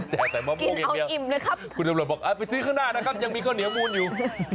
แต่มะม่วงอย่างเดียวอิ่มเลยครับคุณตำรวจบอกไปซื้อข้างหน้านะครับยังมีข้าวเหนียวมูลอยู่